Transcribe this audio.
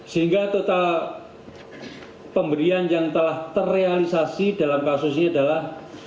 sehingga total pemberian yang telah terrealisasi dalam kasus ini adalah